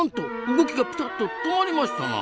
動きがピタッと止まりましたな！